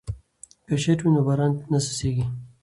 که چت وي نو باران نه څڅیږي.